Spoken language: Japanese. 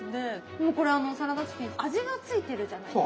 でもこれサラダチキン味が付いてるじゃないですか。